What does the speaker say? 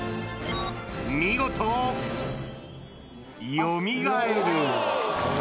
見事、よみがえる。